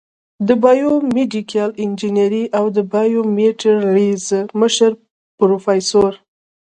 د بایو میډیکل انجینرۍ او بایومیټریلز مشر پروفیسر